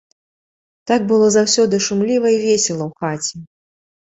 Так было заўсёды шумліва і весела ў хаце!